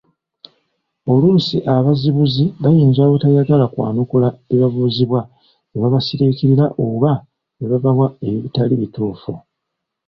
Oluusi abazibuzi bayinza obutayagala kwanukula bibabuuzibwa ne babisirikira oba ne bawa eitali bituufu.